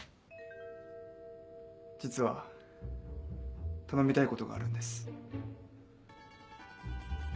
実は頼みたいことがあるんです。